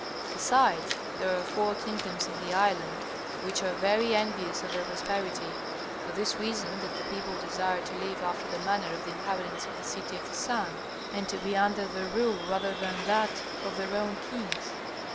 Besides, there are four kingdoms in the island, which are very envious of their prosperity, for this reason that the people desire to live after the manner of the inhabitants of the City of the Sun, and to be under their rule rather than that of their own kings.